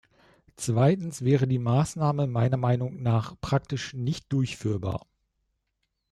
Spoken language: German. Zweitens wäre die Maßnahme meiner Meinung nach praktisch nicht durchführbar.